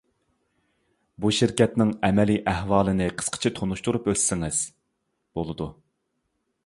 بۇ شىركەتنىڭ ئەمەلىي ئەھۋالىنى قىسقىچە تونۇشتۇرۇپ ئۆتسىڭىز؟ بولىدۇ.